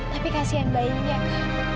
tapi kasihan bayinya kak